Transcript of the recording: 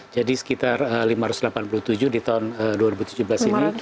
jadi sekitar lima ratus delapan puluh tujuh di tahun dua ribu tujuh belas ini